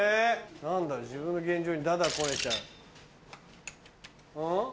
何だろ自分の現状に駄々をこねちゃう。